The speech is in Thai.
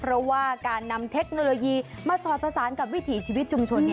เพราะว่าการนำเทคโนโลยีมาสอดผสานกับวิถีชีวิตชุมชน